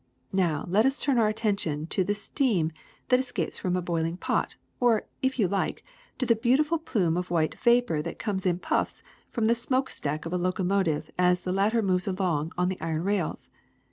*^Now let us turn our attention to the steam that escapes from a boiling pot or, if you like, to the beau tiful plume of white vapor that comes in puffs from the smoke stack of a locomotive as the latter moves along on the iron rails.